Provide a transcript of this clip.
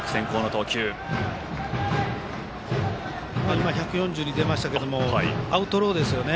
今１４２出ましたがアウトローですよね。